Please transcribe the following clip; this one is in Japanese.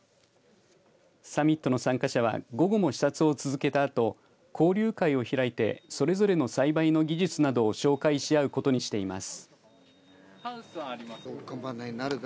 サミットの参加者は午後も視察を続けたあと交流会を開いてそれぞれの栽培の技術などを紹介し合うことにしています。